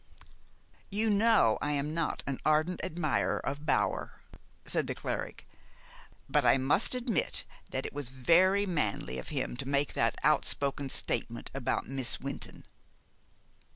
"You know I am not an ardent admirer of Bower," said the cleric; "but I must admit that it was very manly of him to make that outspoken statement about Miss Wynton."